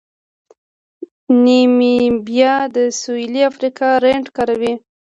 نیمیبیا د سویلي افریقا رینډ کاروي.